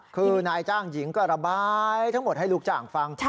คือนายจ้างหญิงก็ระบายทั้งหมดให้ลูกจ้างฟัง